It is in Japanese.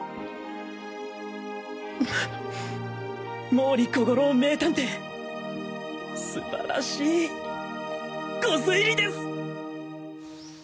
毛利小五郎名探偵素晴らしい御推理です！